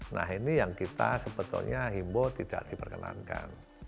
nah ini yang kita sebetulnya himbo tidak diperkenankan